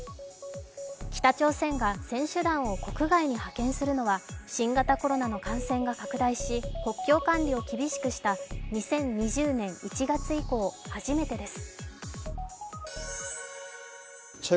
北朝鮮が選手団を国外に派遣するのは新型コロナの感染が拡大し、国境管理を厳しくした２０２０年１月以降初めてです。